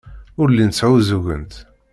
Ur llint sɛuẓẓugent.